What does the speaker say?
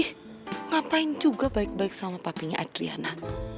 eh ngapain juga baik baik sama papinya adriana